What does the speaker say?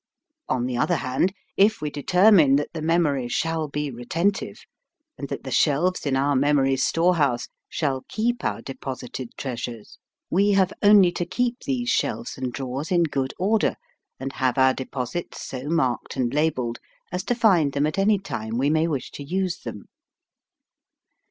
On the other hand, if we determine that the memory shall be retentive, and that the shelves in our memory's store house shall keep our deposited treas ures, we have only to keep these 80 MIND, MATTER shelves and drawers in good order, and have our deposits so marked and labeled as to find them at any time we may wish to use them.